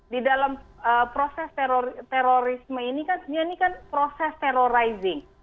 di dalam proses terorisme ini kan sebenarnya ini kan proses terrorizing